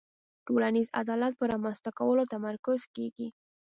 ټولنیز عدالت په رامنځته کولو تمرکز کیږي.